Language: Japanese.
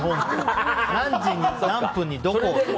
何時何分にどことか。